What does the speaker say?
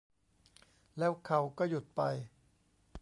แล้วเขาก็หยุดไป